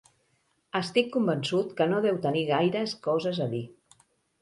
Estic convençut que no deu tenir gaires coses a dir.